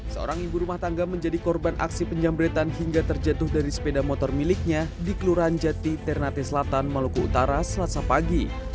seorang ibu rumah tangga menjadi korban aksi penjambretan hingga terjatuh dari sepeda motor miliknya di kelurahan jati ternate selatan maluku utara selasa pagi